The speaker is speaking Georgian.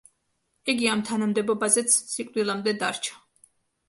იგი ამ თანამდებობაზეც სიკვდილამდე დარჩა.